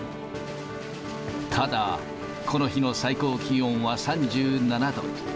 ただ、この日の最高気温は３７度。